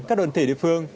các đoàn thể địa phương